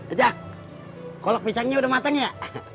eja kolak pisangnya udah matang ya